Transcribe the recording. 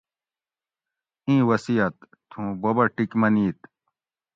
ایں وصیت تھوں بوبہ ٹِیک منیت